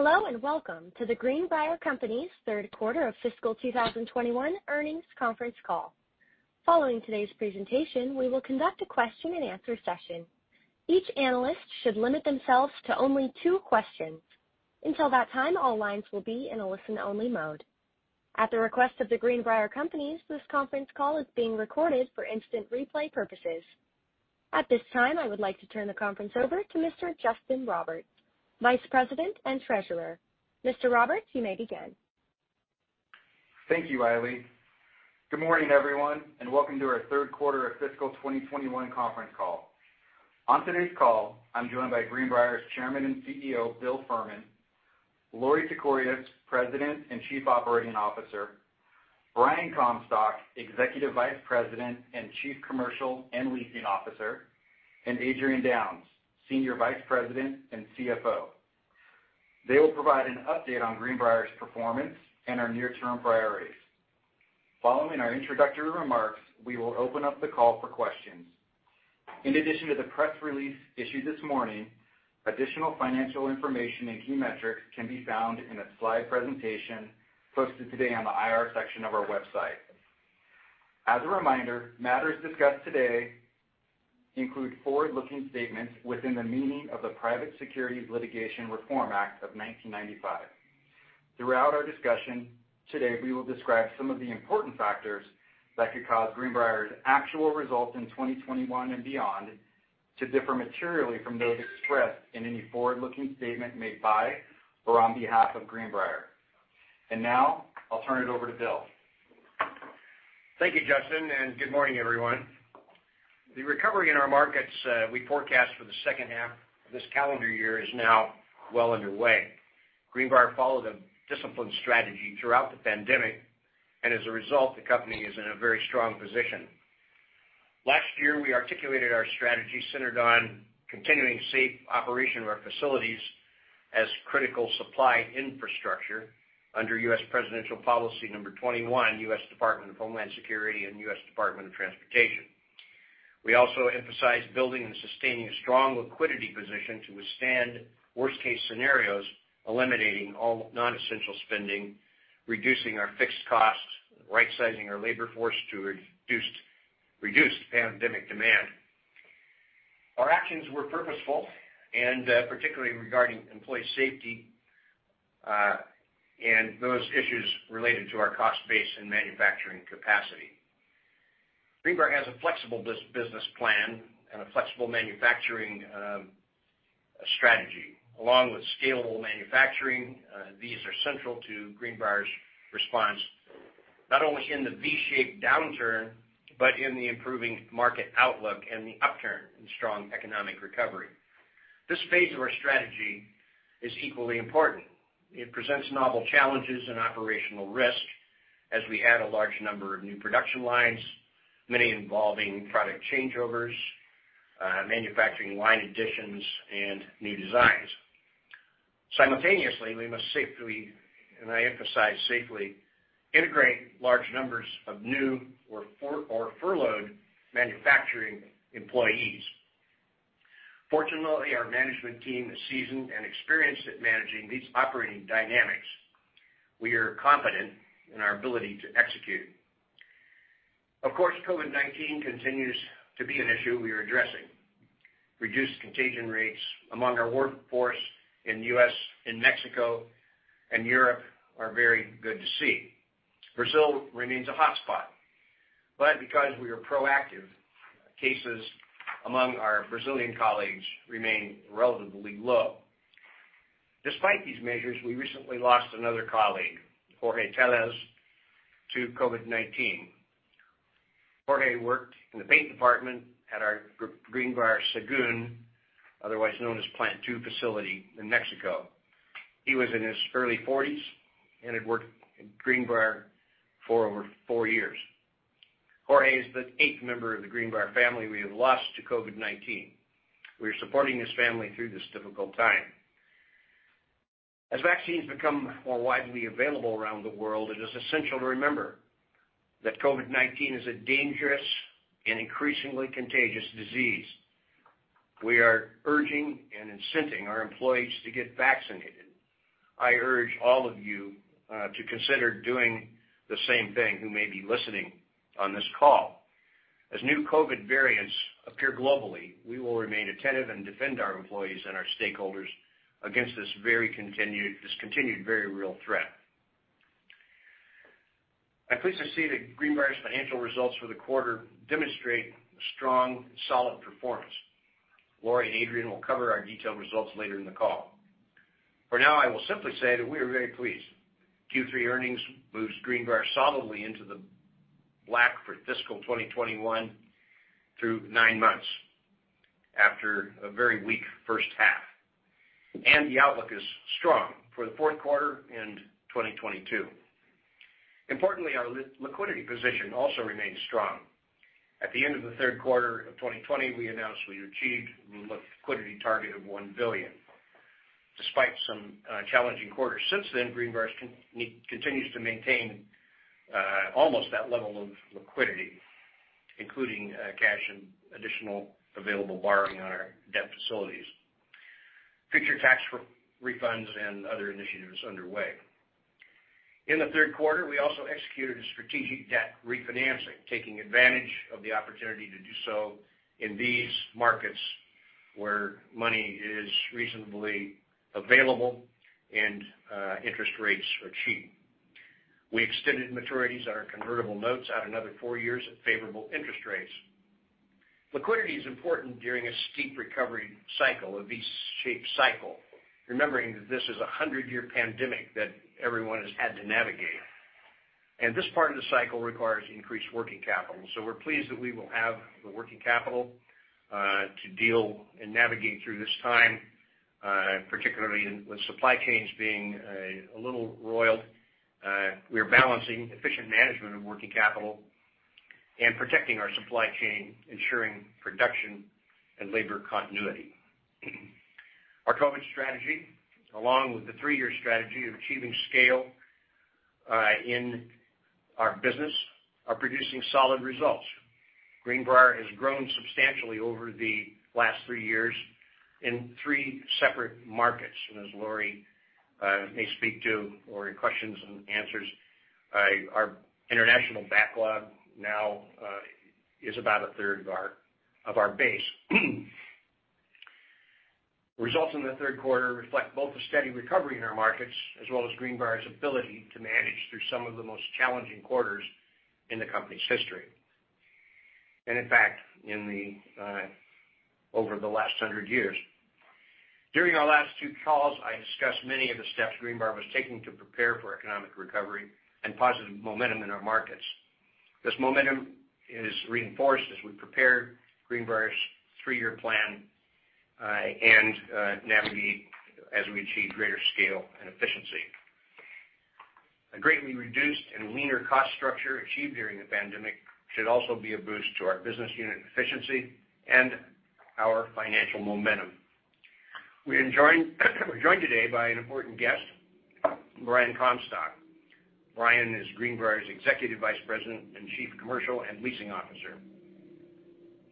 Hello, and welcome to The Greenbrier Companies third quarter of fiscal 2021 earnings conference call. Following today's presentation, we will conduct a question and answer session. Each analyst should limit themselves to only two questions. Until that time, all lines will be in a listen-only mode. At the request of The Greenbrier Companies, this conference call is being recorded for instant replay purposes. At this time, I would like to turn the conference over to Mr. Justin Roberts, Vice President and Treasurer. Mr. Roberts, you may begin. Thank you, Riley. Good morning, everyone, and welcome to our third quarter of fiscal 2021 conference call. On today's call, I'm joined by Greenbrier's Chairman and CEO, Bill Furman; Lorie Tekorius, President and Chief Operating Officer; Brian Comstock, Executive Vice President and Chief Commercial and Leasing Officer; and Adrian Downes, Senior Vice President and CFO. They will provide an update on Greenbrier's performance and our near-term priorities. Following our introductory remarks, we will open up the call for questions. In addition to the press release issued this morning, additional financial information and key metrics can be found in a slide presentation posted today on the IR section of our website. As a reminder, matters discussed today include forward-looking statements within the meaning of the Private Securities Litigation Reform Act of 1995. Throughout our discussion today, we will describe some of the important factors that could cause Greenbrier's actual results in 2021 and beyond to differ materially from those expressed in any forward-looking statement made by or on behalf of Greenbrier. Now I'll turn it over to Bill. Thank you, Justin, and good morning, everyone. The recovery in our markets we forecast for the second half of this calendar year is now well underway. Greenbrier followed a disciplined strategy throughout the pandemic, and as a result, the company is in a very strong position. Last year, we articulated our strategy centered on continuing safe operation of our facilities as critical supply infrastructure under U.S. Presidential Policy Directive 21, U.S. Department of Homeland Security, and U.S. Department of Transportation. We also emphasized building and sustaining a strong liquidity position to withstand worst-case scenarios, eliminating all non-essential spending, reducing our fixed costs, right-sizing our labor force to reduced pandemic demand. Our actions were purposeful, and particularly regarding employee safety, and those issues related to our cost base and manufacturing capacity. Greenbrier has a flexible business plan and a flexible manufacturing strategy. Along with scalable manufacturing, these are central to Greenbrier's response, not only in the V-shaped downturn, but in the improving market outlook and the upturn in strong economic recovery. This phase of our strategy is equally important. It presents novel challenges and operational risks as we add a large number of new production lines, many involving product changeovers, manufacturing line additions, and new designs. Simultaneously, we must safely, and I emphasize safely, integrate large numbers of new or furloughed manufacturing employees. Fortunately, our management team is seasoned and experienced at managing these operating dynamics. We are confident in our ability to execute. Of course, COVID-19 continues to be an issue we are addressing. Reduced contagion rates among our workforce in the U.S., in Mexico, and Europe are very good to see. Brazil remains a hotspot. Because we are proactive, cases among our Brazilian colleagues remain relatively low. Despite these measures, we recently lost another colleague, Jorge Tellez, to COVID-19. Jorge worked in the paint department at our Greenbrier Sahagún, otherwise known as Plant Two facility in Mexico. He was in his early 40s and had worked at Greenbrier for over four years. Jorge is the eighth member of the Greenbrier family we have lost to COVID-19. We are supporting his family through this difficult time. As vaccines become more widely available around the world, it is essential to remember that COVID-19 is a dangerous and increasingly contagious disease. We are urging and incenting our employees to get vaccinated. I urge all of you to consider doing the same thing who may be listening on this call. As new COVID variants appear globally, we will remain attentive and defend our employees and our stakeholders against this continued very real threat. I'm pleased to see that Greenbrier's financial results for the quarter demonstrate a strong, solid performance. Lorie and Adrian will cover our detailed results later in the call. For now, I will simply say that we are very pleased. Q3 earnings moves Greenbrier solidly into the black for fiscal 2021 through nine months after a very weak first half. The outlook is strong for the fourth quarter and 2022. Importantly, our liquidity position also remains strong. At the end of the third quarter of 2020, we announced we achieved a liquidity target of $1 billion. Despite some challenging quarters since then, Greenbrier continues to maintain almost that level of liquidity, including cash and additional available borrowing on our debt facilities, future tax refunds, and other initiatives underway. In the third quarter, we also executed a strategic debt refinancing, taking advantage of the opportunity to do so in these markets where money is reasonably available and interest rates are cheap. We extended maturities on our convertible notes out another four years at favorable interest rates. Liquidity is important during a steep recovery cycle, a V-shaped cycle, remembering that this is a 100-year pandemic that everyone has had to navigate. This part of the cycle requires increased working capital. We're pleased that we will have the working capital to deal and navigate through this time, particularly with supply chains being a little roiled. We are balancing efficient management of working capital and protecting our supply chain, ensuring production and labor continuity. Our COVID strategy, along with the three-year strategy of achieving scale in our business, are producing solid results. Greenbrier has grown substantially over the last three years in three separate markets, and as Lorie Tekorius may speak to in questions and answers, our international backlog now is about a third of our base. Results in the third quarter reflect both the steady recovery in our markets, as well as Greenbrier's ability to manage through some of the most challenging quarters in the company's history and in fact, over the last 100 years. During our last two calls, I discussed many of the steps Greenbrier was taking to prepare for economic recovery and positive momentum in our markets. This momentum is reinforced as we prepare Greenbrier's three-year plan and navigate as we achieve greater scale and efficiency. A greatly reduced and leaner cost structure achieved during the pandemic should also be a boost to our business unit efficiency and our financial momentum. We're joined today by an important guest, Brian Comstock. Brian is Greenbrier's Executive Vice President and Chief Commercial and Leasing Officer.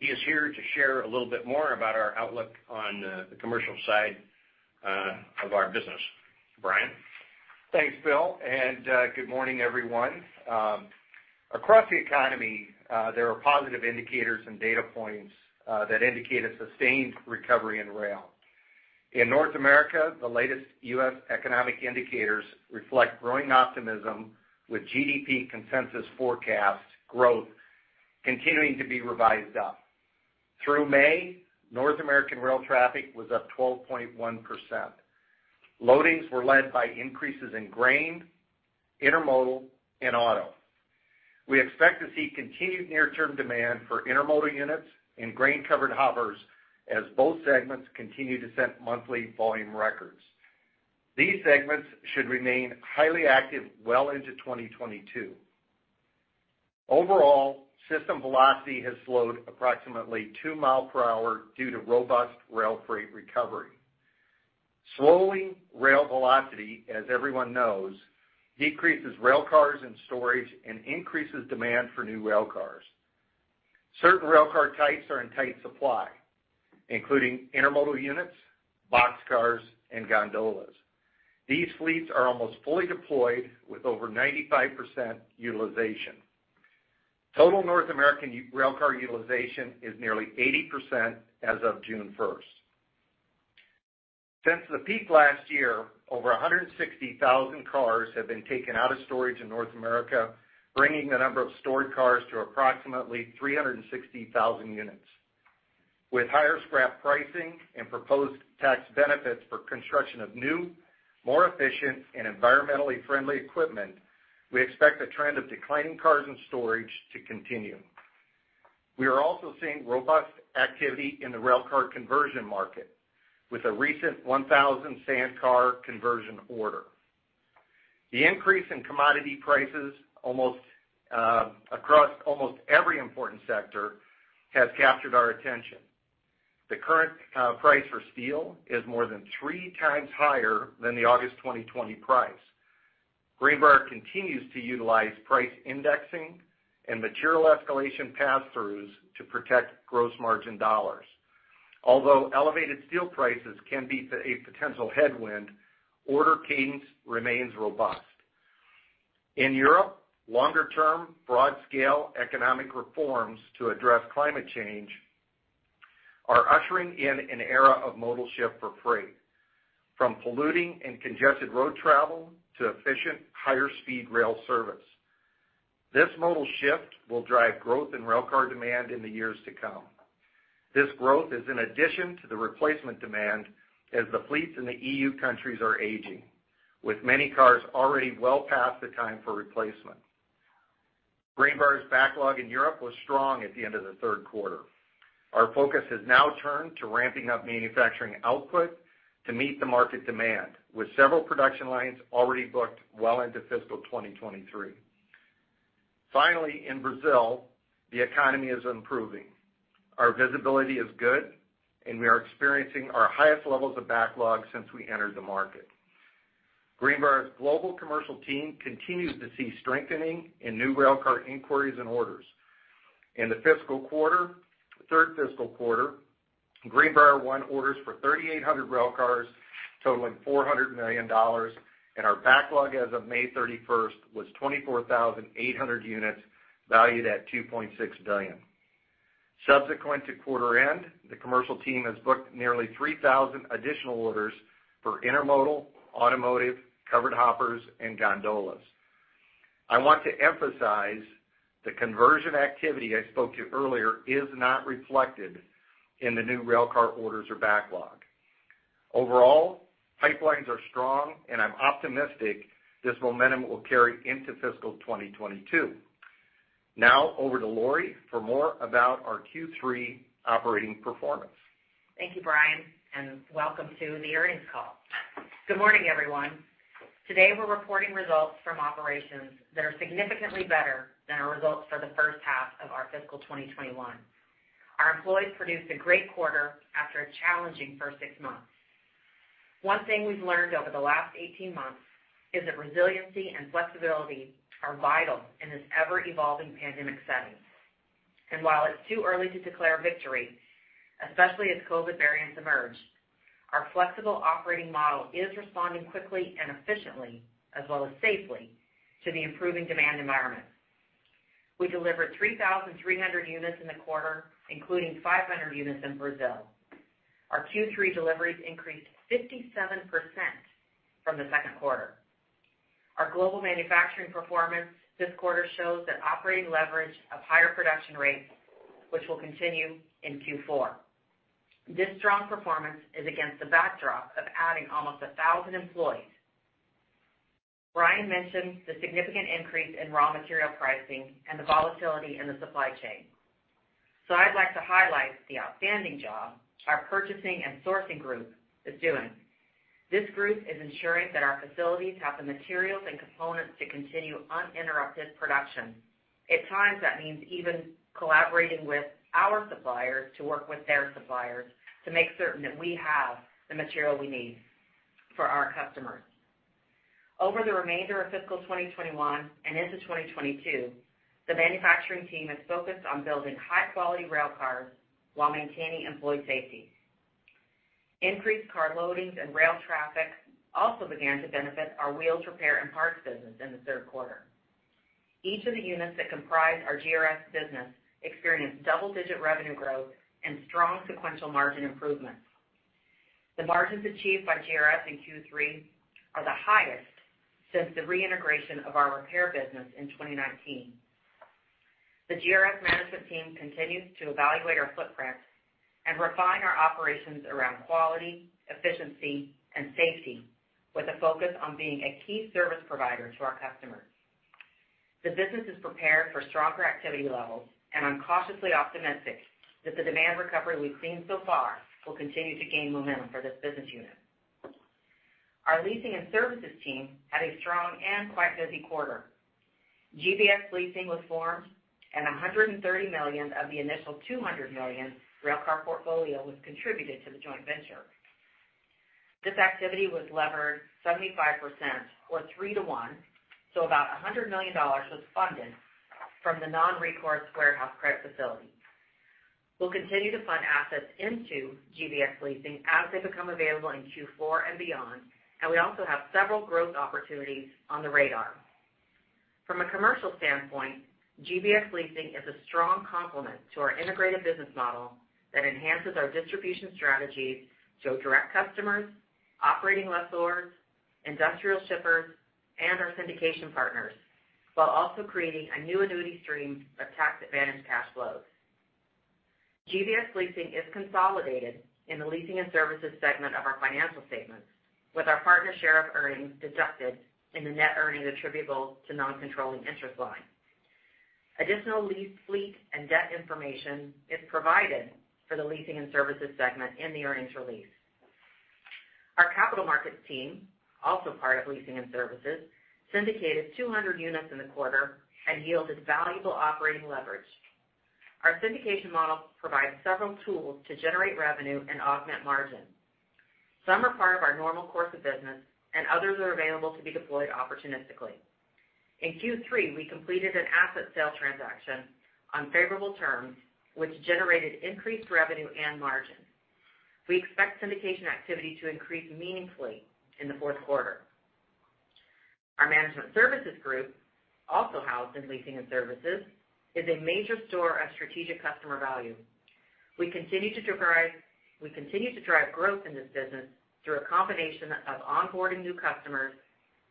He is here to share a little bit more about our outlook on the commercial side of our business. Brian? Thanks, Bill. Good morning, everyone. Across the economy, there are positive indicators and data points that indicate a sustained recovery in rail. In North America, the latest U.S. economic indicators reflect growing optimism with GDP consensus forecast growth continuing to be revised up. Through May, North American rail traffic was up 12.1%. Loadings were led by increases in grain, intermodal, and oil. We expect to see continued near-term demand for intermodal units and grain-covered hoppers as both segments continue to set monthly volume records. These segments should remain highly active well into 2022. Overall, system velocity has slowed approximately 2 miles per hour due to robust rail freight recovery. Slowing rail velocity, as everyone knows, decreases railcars in storage and increases demand for new railcars. Certain railcar types are in tight supply, including intermodal units, boxcars, and gondolas. These fleets are almost fully deployed with over 95% utilization. Total North American railcar utilization is nearly 80% as of June 1st. Since the peak last year, over 160,000 cars have been taken out of storage in North America, bringing the number of stored cars to approximately 360,000 units. With higher scrap pricing and proposed tax benefits for construction of new, more efficient, and environmentally friendly equipment, we expect the trend of declining cars in storage to continue. We are also seeing robust activity in the railcar conversion market with a recent 1,000 sand car conversion order. The increase in commodity prices across almost every important sector has captured our attention. The current price for steel is more than three times higher than the August 2020 price. Greenbrier continues to utilize price indexing and material escalation pass-throughs to protect gross margin dollars. Although elevated steel prices can be a potential headwind, order cadence remains robust. In Europe, longer-term, broad-scale economic reforms to address climate change are ushering in an era of modal shift for freight from polluting and congested road travel to efficient, higher-speed rail service. This modal shift will drive growth in railcar demand in the years to come. This growth is in addition to the replacement demand as the fleets in the EU countries are aging, with many cars already well past the time for replacement. Greenbrier's backlog in Europe was strong at the end of the third quarter. Our focus has now turned to ramping up manufacturing output to meet the market demand, with several production lines already booked well into fiscal 2023. Finally, in Brazil, the economy is improving. Our visibility is good, and we are experiencing our highest levels of backlog since we entered the market. Greenbrier's global commercial team continues to see strengthening in new railcar inquiries and orders. In the third fiscal quarter, Greenbrier won orders for 3,800 railcars totaling $400 million. Our backlog as of May 31st was 24,800 units valued at $2.6 billion. Subsequent to quarter end, the commercial team has booked nearly 3,000 additional orders for intermodal, automotive, covered hoppers, and gondolas. I want to emphasize the conversion activity I spoke to earlier is not reflected in the new railcar orders or backlog. Overall, pipelines are strong, and I'm optimistic this momentum will carry into fiscal 2022. Now over to Lorie for more about our Q3 operating performance. Thank you, Brian. Welcome to the earnings call. Good morning, everyone. Today, we're reporting results from operations that are significantly better than our results for the first half of our fiscal 2021. Our employees produced a great quarter after a challenging first six months. One thing we've learned over the last 18 months is that resiliency and flexibility are vital in this ever-evolving pandemic setting. While it's too early to declare victory, especially as COVID variants emerge, our flexible operating model is responding quickly and efficiently as well as safely to the improving demand environment. We delivered 3,300 units in the quarter, including 500 units in Brazil. Our Q3 deliveries increased 57% from the second quarter. Our global manufacturing performance this quarter shows that operating leverage of higher production rates, which will continue in Q4. This strong performance is against the backdrop of adding almost 1,000 employees. Brian mentioned the significant increase in raw material pricing and the volatility in the supply chain. I'd like to highlight the outstanding job our purchasing and sourcing group is doing. This group is ensuring that our facilities have the materials and components to continue uninterrupted production. At times, that means even collaborating with our suppliers to work with their suppliers to make certain that we have the material we need for our customers. Over the remainder of fiscal 2021 and into 2022, the manufacturing team is focused on building high-quality railcars while maintaining employee safety. Increased car loadings and rail traffic also began to benefit our wheels, repair & parts business in the third quarter. Each of the units that comprise our GRS business experienced double-digit revenue growth and strong sequential margin improvements. The margins achieved by GRS in Q3 are the highest since the reintegration of our repair business in 2019. The GRS management team continues to evaluate our footprint and refine our operations around quality, efficiency, and safety with a focus on being a key service provider to our customers. The business is prepared for stronger activity levels. I'm cautiously optimistic that the demand recovery we've seen so far will continue to gain momentum for this business unit. Our leasing & services team had a strong and quite busy quarter. GBX Leasing was formed. $130 million of the initial $200 million railcar portfolio was contributed to the joint venture. This activity was levered 75% or 3:1, about $100 million was funded from the non-recourse warehouse credit facility. We'll continue to fund assets into GBX Leasing as they become available in Q4 and beyond. We also have several growth opportunities on the radar. From a commercial standpoint, GBX Leasing is a strong complement to our integrated business model that enhances our distribution strategies to our direct customers, operating lessors, industrial shippers, and our syndication partners, while also creating a new annuity stream of tax advantage cash flows. GBX Leasing is consolidated in the leasing & services segment of our financial statements with our partner share of earnings deducted in the net earnings attributable to non-controlling interest line. Additional lease fleet and debt information is provided for the leasing & services segment in the earnings release. Our capital markets team, also part of Leasing & Services, syndicated 200 units in the quarter and yielded valuable operating leverage. Our syndication model provides several tools to generate revenue and augment margin. Some are part of our normal course of business, and others are available to be deployed opportunistically. In Q3, we completed an asset sale transaction on favorable terms, which generated increased revenue and margin. We expect syndication activity to increase meaningfully in the fourth quarter. Our management services group, also housed in leasing & services, is a major store of strategic customer value. We continue to drive growth in this business through a combination of onboarding new customers,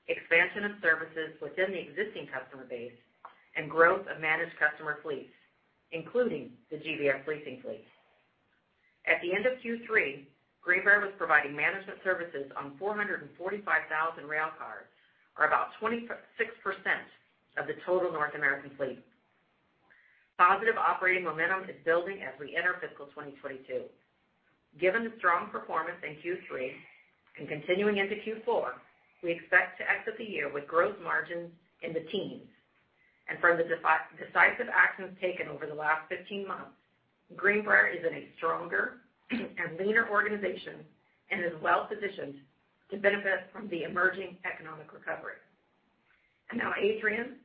expansion of services within the existing customer base, and growth of managed customer fleets, including the GBX Leasing fleet. At the end of Q3, Greenbrier was providing management services on 445,000 railcars or about 26% of the total North American fleet. Positive operating momentum is building as we enter fiscal 2022. Given the strong performance in Q3 and continuing into Q4, we expect to exit the year with gross margins in the teens. For the decisive actions taken over the last 15 months, Greenbrier is in a stronger and leaner organization and is well-positioned to benefit from the emerging economic recovery. Now Adrian,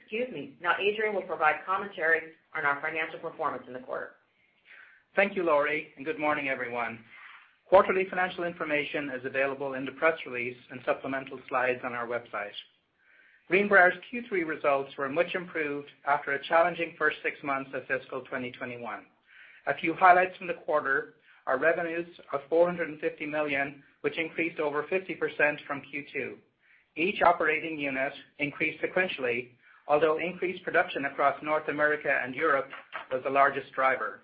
excuse me. Now Adrian will provide commentary on our financial performance in the quarter. Thank you, Lorie, and good morning everyone. Quarterly financial information is available in the press release and supplemental slides on our website. Greenbrier's Q3 results were much improved after a challenging first six months of fiscal 2021. A few highlights from the quarter are revenues of $450 million, which increased over 50% from Q2. Each operating unit increased sequentially, although increased production across North America and Europe was the largest driver.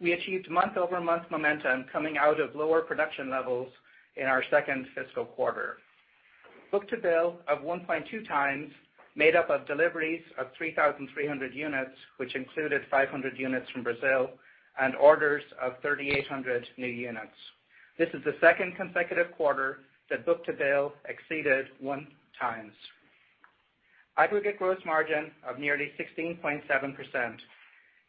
We achieved month-over-month momentum coming out of lower production levels in our second fiscal quarter. Book-to-bill of 1.2x, made up of deliveries of 3,300 units, which included 500 units from Brazil and orders of 3,800 new units. This is the second consecutive quarter that book-to-bill exceeded one time. Aggregate gross margin of nearly 16.7%.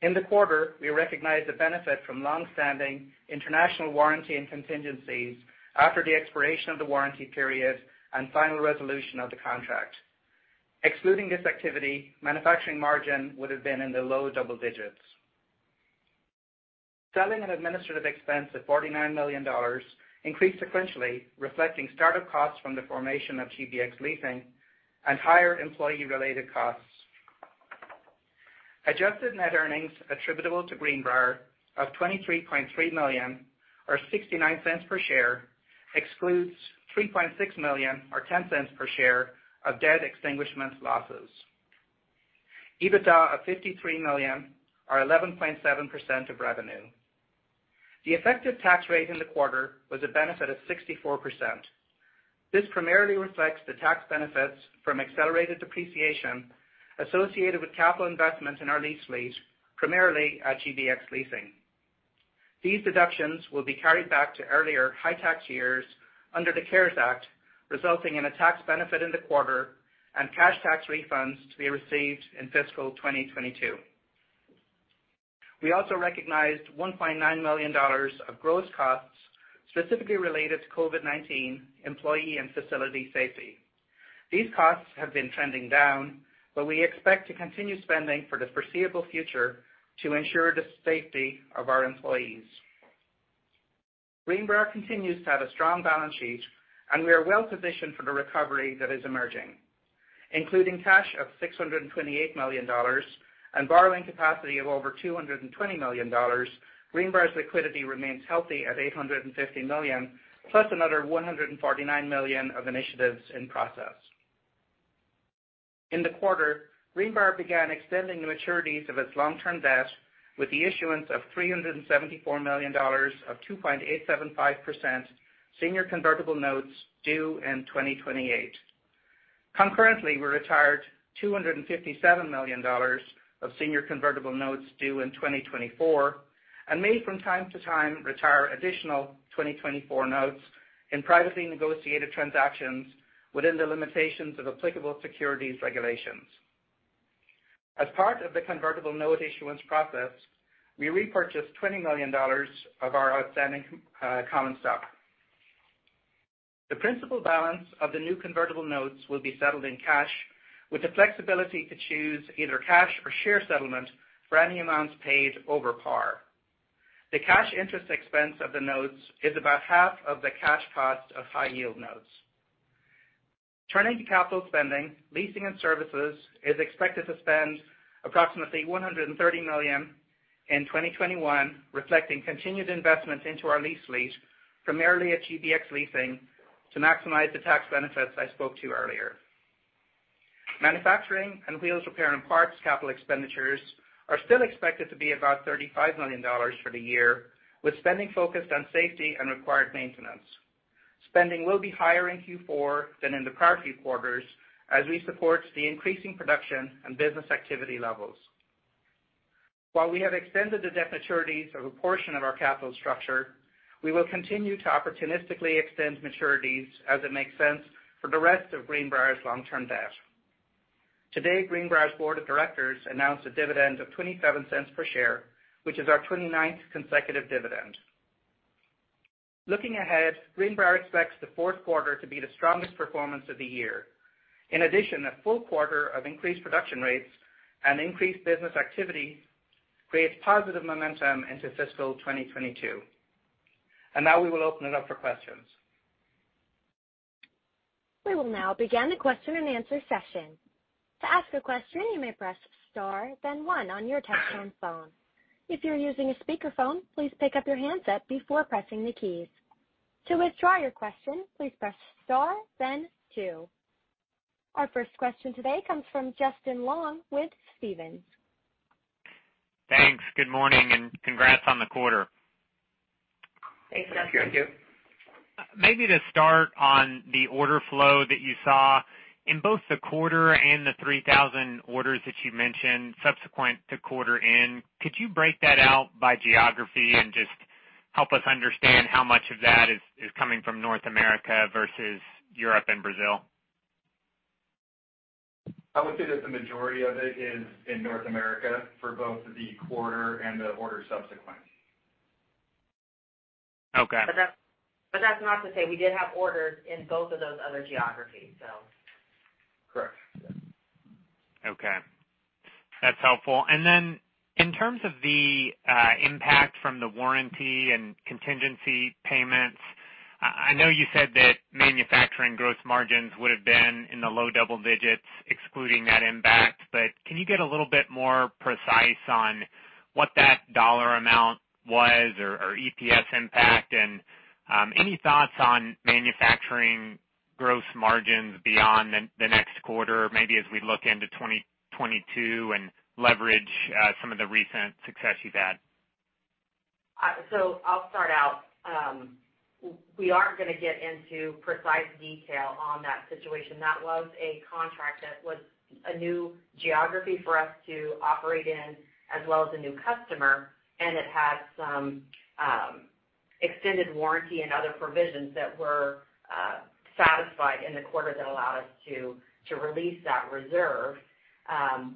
In the quarter, we recognized the benefit from longstanding international warranty and contingencies after the expiration of the warranty period and final resolution of the contract. Excluding this activity, manufacturing margin would've been in the low double digits. Selling and administrative expense of $49 million increased sequentially, reflecting startup costs from the formation of GBX Leasing and higher employee-related costs. Adjusted net earnings attributable to Greenbrier of $23.3 million, or $0.69 per share, excludes $3.6 million or $0.10 per share of debt extinguishment losses. EBITDA of $53 million or 11.7% of revenue. The effective tax rate in the quarter was a benefit of 64%. This primarily reflects the tax benefits from accelerated depreciation associated with capital investments in our lease fleet, primarily at GBX Leasing. These deductions will be carried back to earlier high tax years under the CARES Act, resulting in a tax benefit in the quarter and cash tax refunds to be received in fiscal 2022. We also recognized $1.9 million of gross costs specifically related to COVID-19 employee and facility safety. These costs have been trending down, but we expect to continue spending for the foreseeable future to ensure the safety of our employees. Greenbrier continues to have a strong balance sheet, and we are well-positioned for the recovery that is emerging. Including cash of $628 million and borrowing capacity of over $220 million, Greenbrier's liquidity remains healthy at $850 million, plus another $149 million of initiatives in process. In the quarter, Greenbrier began extending the maturities of its long-term debt with the issuance of $374 million of 2.875% senior convertible notes due in 2028. Concurrently, we retired $257 million of senior convertible notes due in 2024 and may from time to time retire additional 2024 notes in privately negotiated transactions within the limitations of applicable securities regulations. As part of the convertible note issuance process, we repurchased $20 million of our outstanding common stock. The principal balance of the new convertible notes will be settled in cash with the flexibility to choose either cash or share settlement for any amounts paid over par. The cash interest expense of the notes is about half of the cash cost of high-yield notes. Turning to capital spending, Leasing & Services is expected to spend approximately $130 million in 2021, reflecting continued investments into our lease fleet, primarily at GBX Leasing, to maximize the tax benefits I spoke to earlier. Manufacturing and wheels, repair & parts capital expenditures are still expected to be about $35 million for the year, with spending focused on safety and required maintenance. Spending will be higher in Q4 than in the prior few quarters as we support the increasing production and business activity levels. While we have extended the debt maturities of a portion of our capital structure, we will continue to opportunistically extend maturities as it makes sense for the rest of Greenbrier's long-term debt. Today, Greenbrier's board of directors announced a dividend of $0.27 per share, which is our 29th consecutive dividend. Looking ahead, Greenbrier expects the fourth quarter to be the strongest performance of the year. A full quarter of increased production rates and increased business activity creates positive momentum into fiscal 2022. Now we will open it up for questions. We will now begin the question and answer session. Our first question today comes from Justin Long with Stephens. Thanks. Good morning. Congrats on the quarter. Thanks, Justin. Maybe to start on the order flow that you saw in both the quarter and the 3,000 orders that you mentioned subsequent to quarter end, could you break that out by geography and just help us understand how much of that is coming from North America versus Europe and Brazil? I would say that the majority of it is in North America for both the quarter and the quarter subsequent. Okay. That's not to say we didn't have orders in both of those other geographies. Correct. Okay, that's helpful. In terms of the impact from the warranty and contingency payments, I know you said that manufacturing gross margins would have been in the low double digits excluding that impact, but can you get a little bit more precise on what that dollar amount was or EPS impact, and any thoughts on manufacturing gross margins beyond the next quarter, maybe as we look into 2022 and leverage some of the recent success you've had? I'll start out. We aren't going to get into precise detail on that situation. That was a contract that was a new geography for us to operate in as well as a new customer, and it had some extended warranty and other provisions that were satisfied in the quarter that allowed us to release that reserve.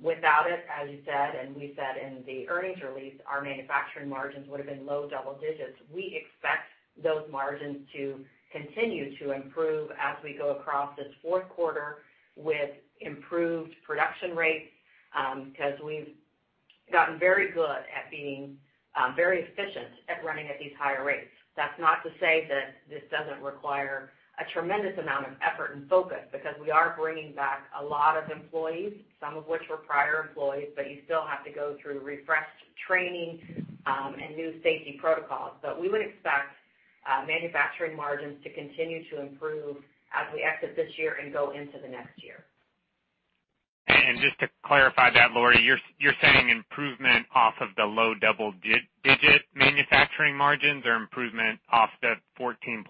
Without it, as you said, and we said in the earnings release, our manufacturing margins would have been low double digits. We expect those margins to continue to improve as we go across this fourth quarter with improved production rates, because we've gotten very good at being very efficient at running at these higher rates. That's not to say that this doesn't require a tremendous amount of effort and focus, because we are bringing back a lot of employees, some of which were prior employees, but you still have to go through refreshed training and new safety protocols. We would expect manufacturing margins to continue to improve as we exit this year and go into the next year. Just to clarify that, Lorie, you're saying improvement off of the low double-digit manufacturing margins or improvement off the 14.5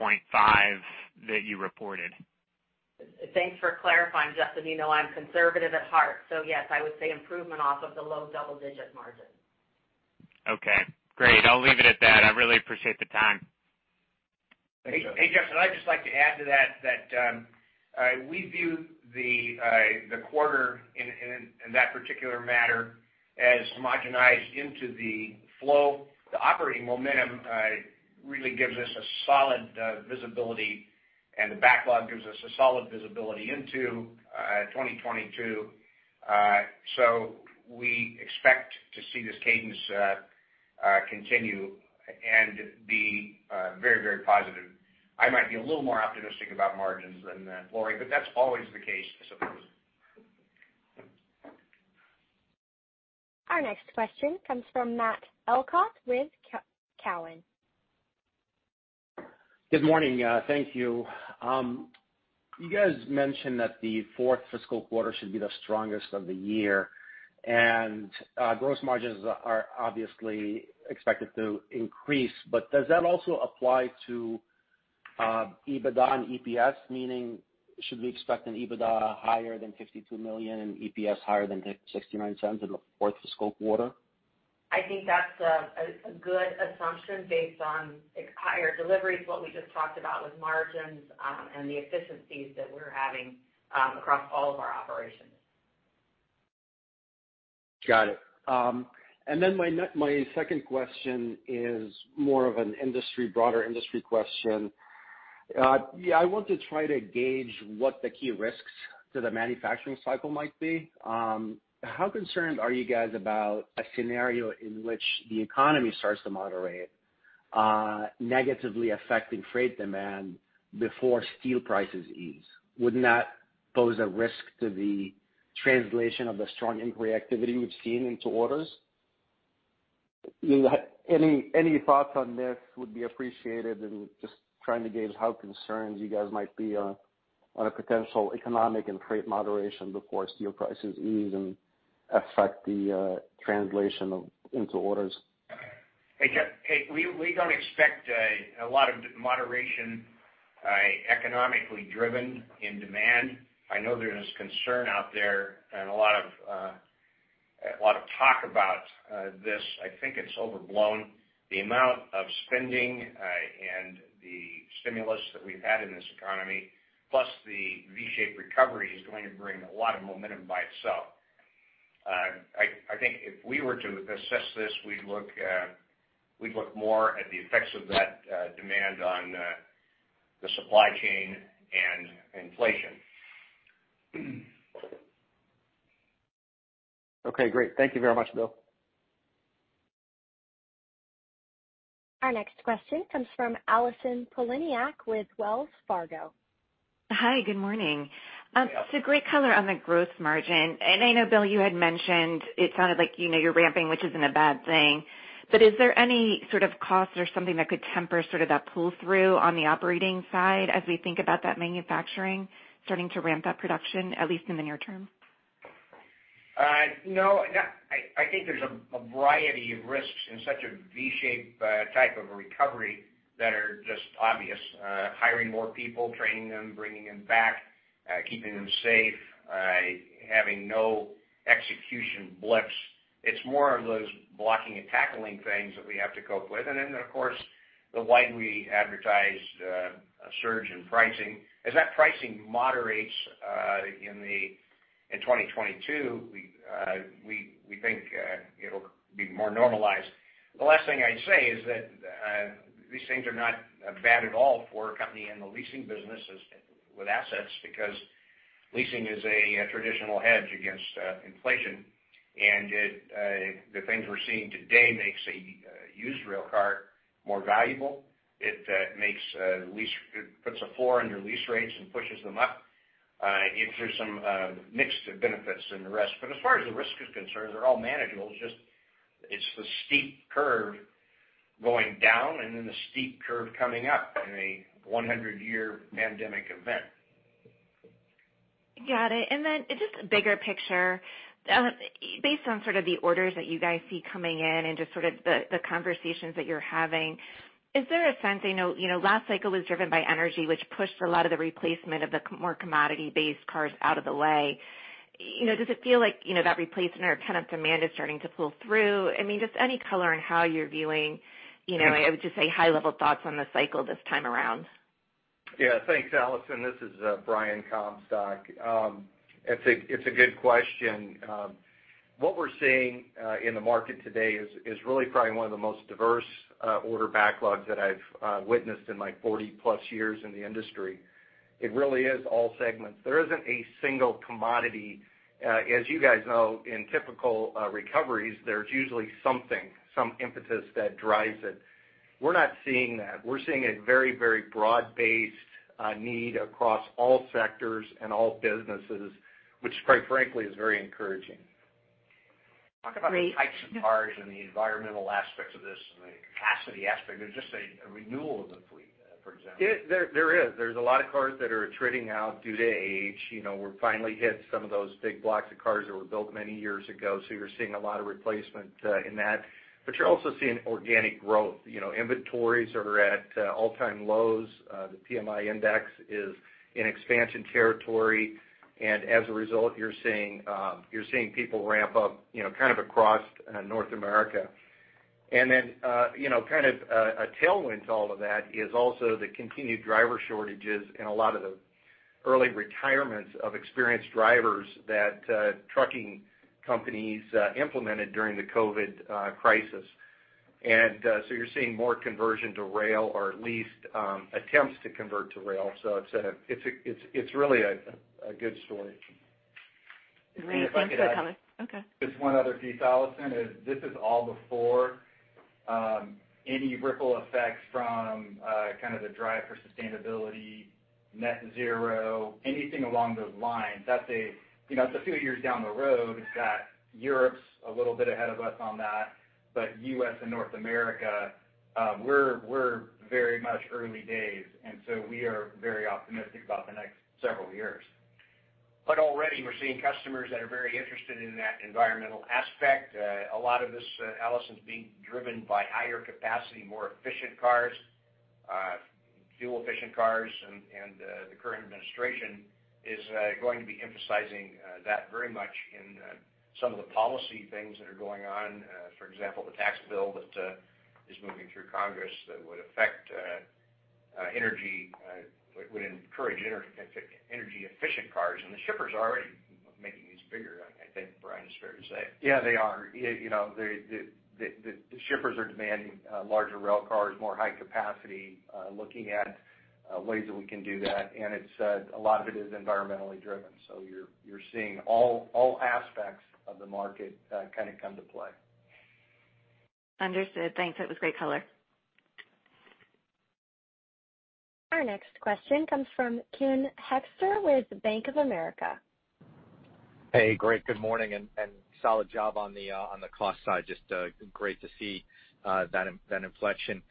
that you reported? Thanks for clarifying, Justin. You know I'm conservative at heart. Yes, I would say improvement off of the low double-digit margins. Okay, great. I'll leave it at that. I really appreciate the time. Hey, Justin, I'd just like to add to that, we view the quarter in that particular manner as homogenized into the flow. The operating momentum really gives us a solid visibility, and the backlog gives us a solid visibility into 2022. We expect to see this cadence continue and be very positive. I might be a little more optimistic about margins than Lorie, but that's always the case, I suppose. Our next question comes from Matt Elkott with Cowen. Good morning. Thank you. You guys mentioned that the fourth fiscal quarter should be the strongest of the year, and gross margins are obviously expected to increase, but does that also apply to EBITDA and EPS? Meaning should we expect an EBITDA higher than $52 million and EPS higher than $0.69 in the fourth fiscal quarter? I think that's a good assumption based on higher deliveries, what we just talked about with margins, and the efficiencies that we're having across all of our operations. Got it. My second question is more of a broader industry question. I want to try to gauge what the key risks to the manufacturing cycle might be. How concerned are you guys about a scenario in which the economy starts to moderate, negatively affecting freight demand before steel prices ease? Wouldn't that pose a risk to the translation of the strong inquiry activity we've seen into orders? Any thoughts on this would be appreciated, and just trying to gauge how concerned you guys might be on a potential economic and freight moderation before steel prices ease and affect the translation into orders. We don't expect a lot of moderation economically driven in demand. I know there's concern out there and a lot of talk about this. I think it's overblown. The amount of spending and the stimulus that we've had in this economy, plus the V-shaped recovery, is going to bring a lot of momentum by itself. I think if we were to assess this, we'd look more at the effects of that demand on the supply chain and inflation. Okay, great. Thank you very much, Bill. Our next question comes from Allison Poliniak with Wells Fargo. Hi, good morning. Great color on the growth margin. I know, Bill, you had mentioned it sounded like you're ramping, which isn't a bad thing, but is there any sort of cost or something that could temper that pull-through on the operating side as we think about that manufacturing starting to ramp up production, at least in the near term? No. I think there's a variety of risks in such a V-shaped type of a recovery that are just obvious, hiring more people, training them, bringing them back. Keeping them safe, having no execution blips. It's more of those blocking and tackling things that we have to cope with. Of course, the widely advertised surge in pricing. As that pricing moderates in 2022, we think it'll be more normalized. The last thing I'd say is that these things are not bad at all for a company in the leasing business with assets, because leasing is a traditional hedge against inflation. The things we're seeing today makes a used rail car more valuable. It puts a floor under lease rates and pushes them up. There's some mixed benefits in the risk. As far as the risk is concerned, they're all manageable. It's just the steep curve going down and then the steep curve coming up in a 100-year pandemic event. Got it. Just a bigger picture, based on sort of the orders that you guys see coming in and just sort of the conversations that you're having, I know last cycle was driven by energy, which pushed a lot of the replacement of the more commodity-based cars out of the way. Does it feel like that replacement or kind of demand is starting to pull through? I mean, just any color on how you're viewing, I would just say high level thoughts on the cycle this time around. Thanks, Allison. This is Brian Comstock. It's a good question. What we're seeing in the market today is really probably one of the most diverse order backlogs that I've witnessed in my 40+ years in the industry. It really is all segments. There isn't a single commodity. As you guys know, in typical recoveries, there's usually something, some impetus that drives it. We're not seeing that. We're seeing a very broad-based need across all sectors and all businesses, which quite frankly is very encouraging. Talk about any types of cars and the environmental aspects of this and the capacity aspect or just a renewal of the fleet, for example. There's a lot of cars that are trading out due to age. We finally hit some of those big blocks of cars that were built many years ago. You're seeing a lot of replacement in that. You're also seeing organic growth. Inventories are at all-time lows. The PMI index is in expansion territory. As a result, you're seeing people ramp up kind of across North America. Kind of a tailwind to all of that is also the continued driver shortages and a lot of the early retirements of experienced drivers that trucking companies implemented during the COVID crisis. You're seeing more conversion to rail or at least attempts to convert to rail. It's really a good story. The Greenbrier flexibility. Okay. Just one other piece, Allison, is this is all before any ripple effect from kind of the drive for sustainability, net zero, anything along those lines. That's a few years down the road. Europe's a little bit ahead of us on that. U.S. and North America, we're very much early days, and so we are very optimistic about the next several years. Already we're seeing customers that are very interested in that environmental aspect. A lot of this, Allison, is being driven by higher capacity, more efficient cars, fuel-efficient cars. The current administration is going to be emphasizing that very much in some of the policy things that are going on. For example, the tax bill that is moving through Congress that would encourage energy-efficient cars. The shippers are already making these bigger, I think Brian is fair to say. Yeah, they are. The shippers are demanding larger rail cars, more high capacity, looking at ways that we can do that. A lot of it is environmentally driven. You're seeing all aspects of the market kind of come to play. Understood. Thanks. That was great color. Our next question comes from Ken Hoexter with Bank of America. Hey, great. Good morning. Solid job on the cost side. Just great to see that inflection.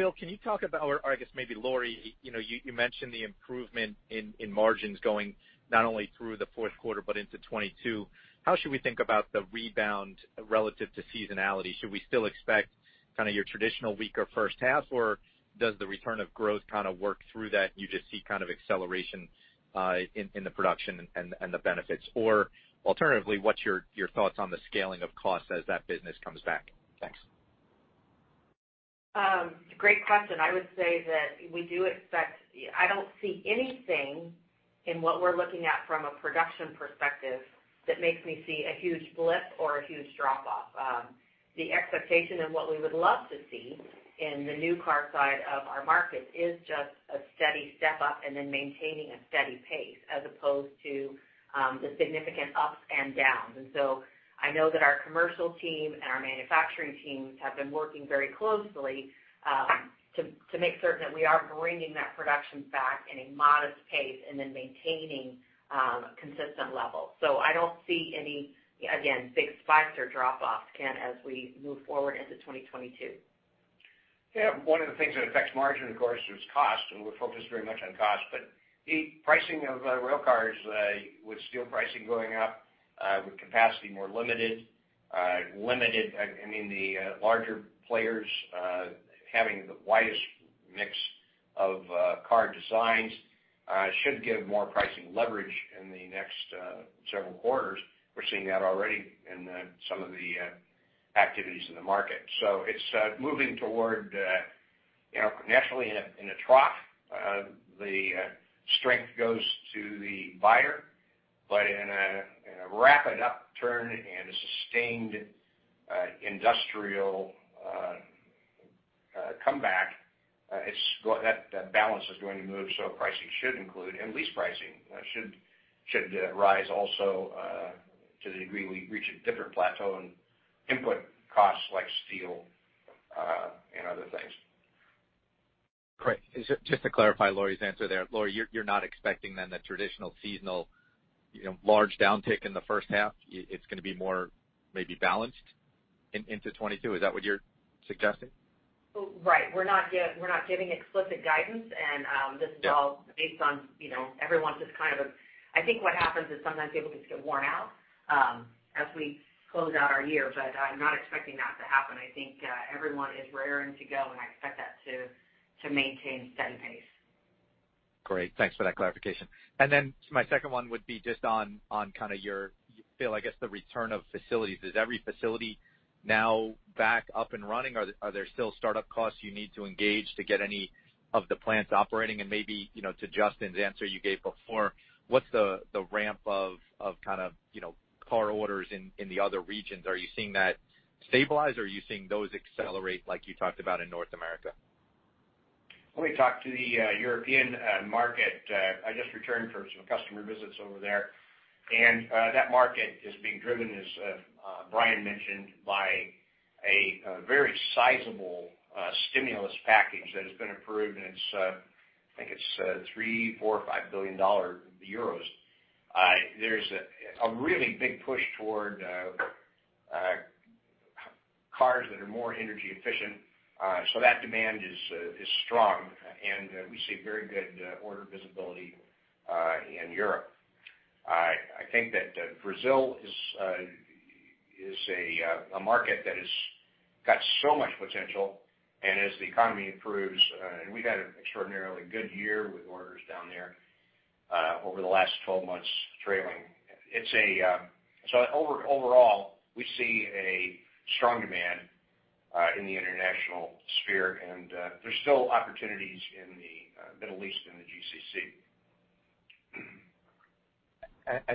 Bill, can you talk about, or I guess maybe Lorie, you mentioned the improvement in margins going not only through the fourth quarter but into 2022. How should we think about the rebound relative to seasonality? Should we still expect kind of your traditional weaker first half, or does the return of growth kind of work through that and you just see kind of acceleration in the production and the benefits? Alternatively, what's your thoughts on the scaling of cost as that business comes back? Thanks. Great question. I would say that we do expect-- I don't see anything in what we're looking at from a production perspective that makes me see a huge blip or a huge drop off. The expectation of what we would love to see in the new car side of our market is just a steady step up and then maintaining a steady pace as opposed to the significant ups and downs. I know that our commercial team and our manufacturing teams have been working very closely to make certain that we are bringing that production back in a modest pace and then maintaining consistent levels. I don't see any, again, big spikes or drop offs again as we move forward into 2022. Yeah. One of the things that affects margin, of course, is cost, and we're focused very much on cost. The pricing of the rail cars with steel pricing going up, with capacity more limited. Limited, I mean, the larger players having the widest mix of car designs should give more pricing leverage in the next several quarters. We're seeing that already in some of the activities in the market. It's moving toward, naturally, in a trough, the strength goes to the buyer. In a rapid upturn, in a sustained industrial comeback, that balance is going to move. Pricing should include, and lease pricing should rise also to the degree we reach a different plateau in input costs like steel and other things. Great. Just to clarify Lorie's answer there. Lorie, you're not expecting then the traditional seasonal large downtick in the first half? It's going to be more maybe balanced into 2022. Is that what you're suggesting? Right. We're not giving explicit guidance and this is all based on everyone's just kind of I think what happens is sometimes people just get worn out as we close out our year. I'm not expecting that to happen. I think everyone is raring to go, and I expect that to maintain steady pace. Great. Thanks for that clarification. Then my second one would be just on your feel, I guess, the return of facilities. Is every facility now back up and running? Are there still startup costs you need to engage to get any of the plants operating? Maybe, to Justin's answer you gave before, what's the ramp of car orders in the other regions? Are you seeing that stabilize or are you seeing those accelerate like you talked about in North America? Let me talk to the European market. I just returned from some customer visits over there. That market is being driven, as Brian mentioned, by a very sizable stimulus package that has been approved, and I think it's 3 billion, 4 billion or EUR 5 billion. There's a really big push toward cars that are more energy efficient. That demand is strong, and we see very good order visibility in Europe. I think that Brazil is a market that has got so much potential. As the economy improves, and we've had an extraordinarily good year with orders down there over the last 12 months trailing. Overall, we see a strong demand in the international sphere, and there's still opportunities in the Middle East and the GCC.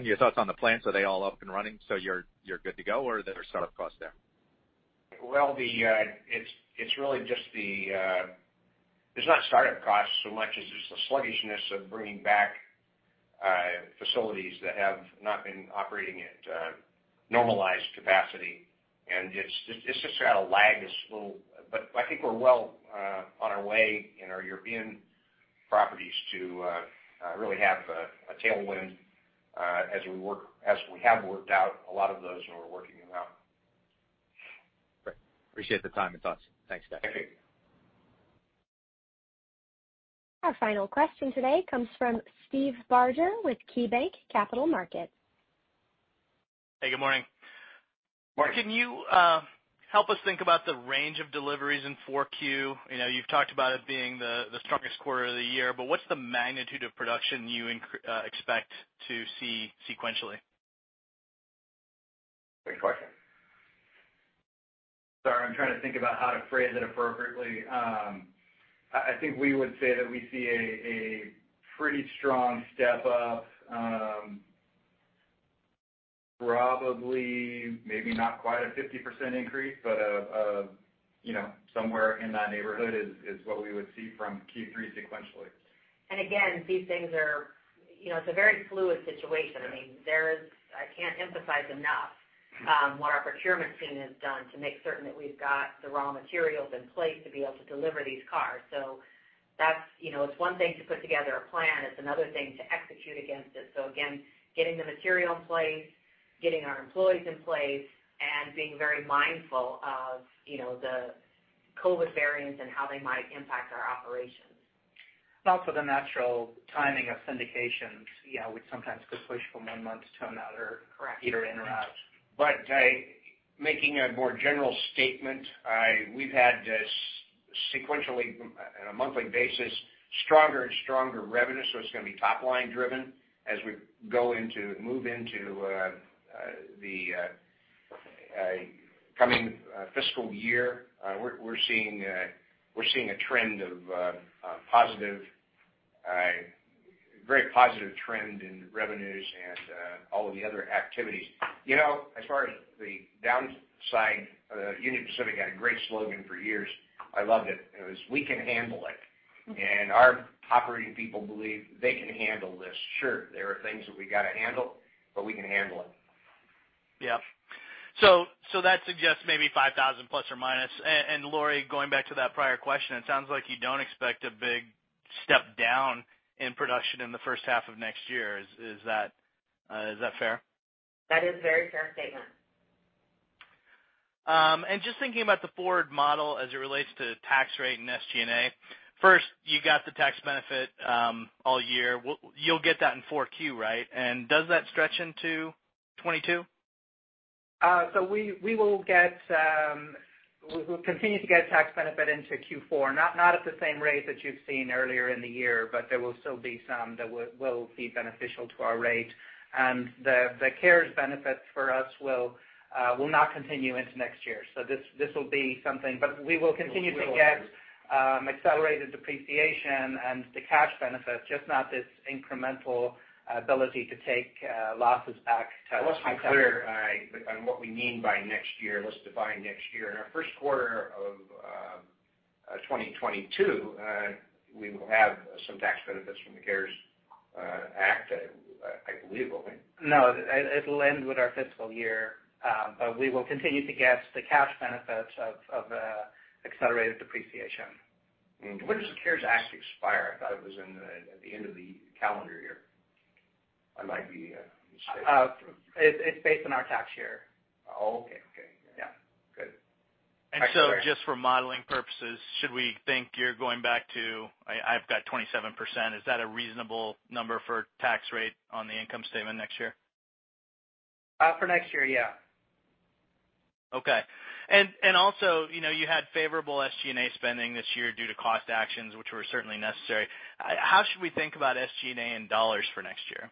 Your thoughts on the plants, are they all up and running, so you're good to go? Are there startup costs there? It's not startup costs so much as just the sluggishness of bringing back facilities that have not been operating at normalized capacity. It's just got a lag. I think we're well on our way in our European properties to really have a tailwind as we have worked out a lot of those and we're working them out. Great. Appreciate the time and thoughts. Thanks, guys. Thank you. Our final question today comes from Steve Barger with KeyBanc Capital Markets. Hey, good morning. Morning. Can you help us think about the range of deliveries in 4Q? You've talked about it being the strongest quarter of the year, but what's the magnitude of production you expect to see sequentially? Great question. Sorry, I'm trying to think about how to phrase it appropriately. I think we would say that we see a pretty strong step-up. Probably, maybe not quite a 50% increase, but somewhere in that neighborhood is what we would see from Q3 sequentially. Again, it's a very fluid situation. Yeah. I can't emphasize enough what our procurement team has done to make certain that we've got the raw materials in place to be able to deliver these cars. It's one thing to put together a plan, it's another thing to execute against it. Again, getting the material in place, getting our employees in place, and being very mindful of the COVID variants and how they might impact our operations. Also the natural timing of syndications, yeah, which sometimes could push from one month to another. Correct. Either in or out. Making a more general statement, we've had this sequentially, on a monthly basis, stronger and stronger revenue. It's going to be top-line driven as we move into the coming fiscal year. We're seeing a very positive trend in revenues and all of the other activities. As far as the downside, Union Pacific had a great slogan for years. I loved it. It was, "We can handle it." Our operating people believe they can handle this. Sure, there are things that we got to handle, but we can handle it. Yeah. That suggests maybe ±5,000. Lorie, going back to that prior question, it sounds like you don't expect a big step down in production in the first half of next year. Is that fair? That is a very fair statement. Just thinking about the forward model as it relates to tax rate and SG&A. First, you got the tax benefit all year. You'll get that in 4Q, right? Does that stretch into 2022? We will continue to get tax benefit into Q4, not at the same rate that you've seen earlier in the year, but there will still be some that will be beneficial to our rate. The CARES benefits for us will not continue into next year. This will be something, but we will continue to get accelerated depreciation and the cash benefit, just not this incremental ability to take losses. Let's be clear on what we mean by next year. Let's define next year. In our first quarter of 2022, we will have some tax benefits from the CARES Act, I believe, okay? It'll end with our fiscal year. We will continue to get the cash benefit of accelerated depreciation. When does the CARES Act expire? I thought it was at the end of the calendar year. I might be mistaken. It's based on our tax year. Okay. Yeah. Good. Just for modeling purposes, should we think you're going back to, I've got 27%, is that a reasonable number for tax rate on the income statement next year? For next year, yeah. Okay. Also, you had favorable SG&A spending this year due to cost actions, which were certainly necessary. How should we think about SG&A in dollars for next year?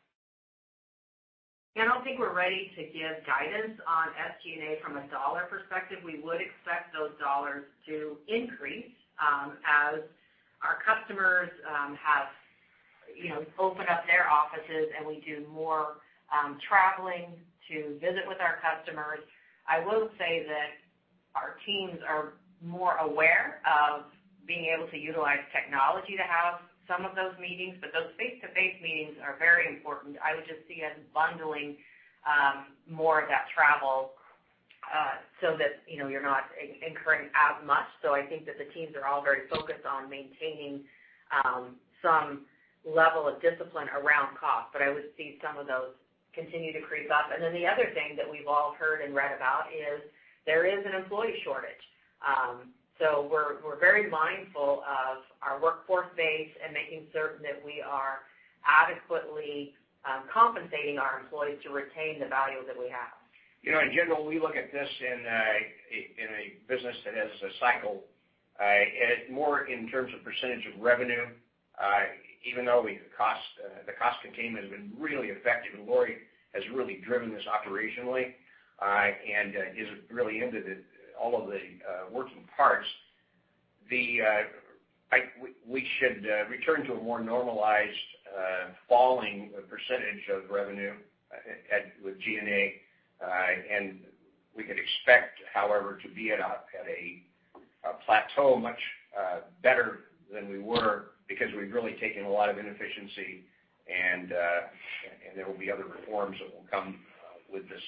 I don't think we're ready to give guidance on SG&A from a dollar perspective. We would expect those dollars to increase as our customers have opened up their offices and we do more traveling to visit with our customers. I will say that our teams are more aware of being able to utilize technology to have some of those meetings, but those face-to-face meetings are very important. I would just see us bundling more of that travel so that you're not incurring as much. I think that the teams are all very focused on maintaining some level of discipline around cost, but I would see some of those continue to creep up. The other thing that we've all heard and read about is there is an employee shortage. We're very mindful of our workforce base and making certain that we are adequately compensating our employees to retain the value that we have. In general, we look at this in a business that has a cycle, and it's more in terms of percentage of revenue, even though the cost containment has been really effective, and Lorie has really driven this operationally and is really into all of the working parts. We should return to a more normalized falling percentage of revenue with G&A, and we could expect, however, to be at a plateau much better than we were because we've really taken a lot of inefficiency and there will be other reforms that will come with this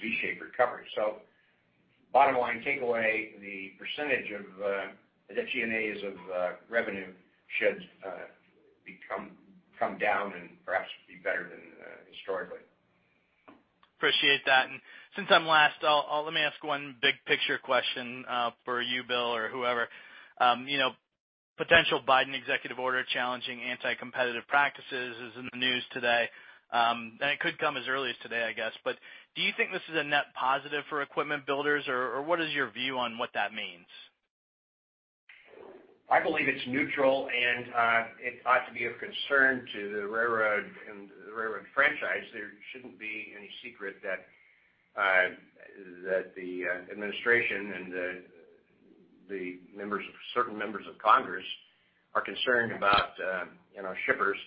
V-shaped recovery. Bottom line takeaway, the percentage of the G&As of revenue should come down and perhaps be better than historically. Appreciate that. Since I'm last, let me ask one big picture question for you, Bill, or whoever. Potential Biden executive order challenging anti-competitive practices is in the news today, and it could come as early as today, I guess. Do you think this is a net positive for equipment builders, or what is your view on what that means? I believe it's neutral, and it ought to be of concern to the railroad and the railroad franchise. There shouldn't be any secret that the administration and the certain members of Congress are concerned about shippers,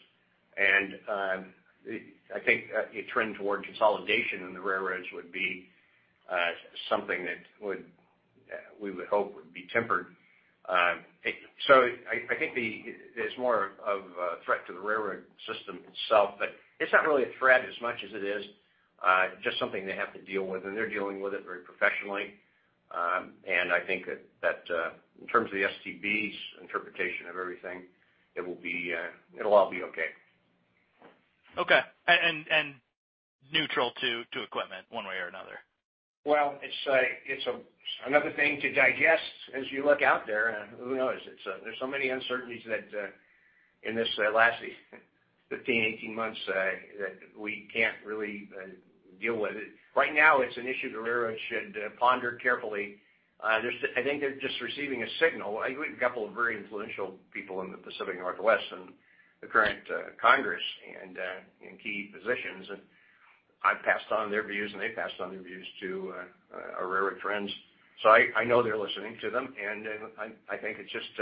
and I think a trend toward consolidation in the railroads would be something that we would hope would be tempered. I think it's more of a threat to the railroad system itself, but it's not really a threat as much as it is just something they have to deal with, and they're dealing with it very professionally. I think that in terms of the STB's interpretation of everything, it'll all be okay. Okay. Neutral to equipment one way or another? It's another thing to digest as you look out there. Who knows? There's so many uncertainties in this last 15, 18 months that we can't really deal with it. Right now, it's an issue the railroads should ponder carefully. I think they're just receiving a signal. We have a couple of very influential people in the Pacific Northwest and the current Congress and in key positions, and I've passed on their views, and they've passed on their views to our railroad friends. I know they're listening to them, and I think it's just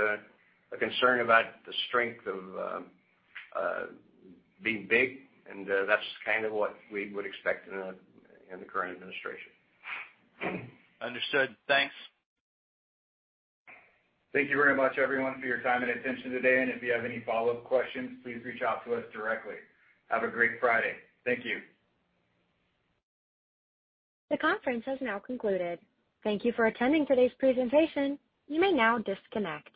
a concern about the strength of being big, and that's kind of what we would expect in the current administration. Understood. Thanks. Thank you very much, everyone, for your time and attention today. If you have any follow-up questions, please reach out to us directly. Have a great Friday. Thank you. The conference has now concluded. Thank you for attending today's presentation. You may now disconnect.